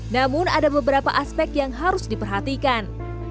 namun ada beberapa aspek yang harus diperhatikan